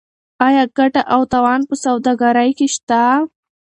آیا ګټه او تاوان په سوداګرۍ کې شته؟